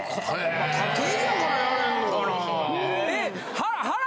武井やからやれんのかな。